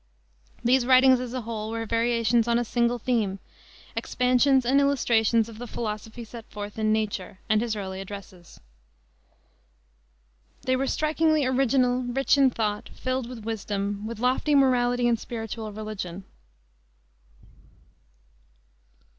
These writings, as a whole, were variations on a single theme, expansions and illustrations of the philosophy set forth in Nature, and his early addresses. They were strikingly original, rich in thought, filled with wisdom, with lofty morality and spiritual religion.